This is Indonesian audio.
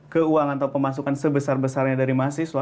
keuangan atau pemasukan sebesar besarnya dari mahasiswa